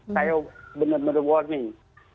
saya benar benar warning